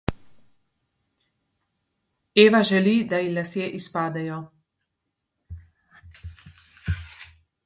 Eva želi, da ji lase izpadejo.